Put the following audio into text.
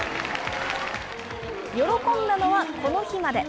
喜んだのはこの日まで。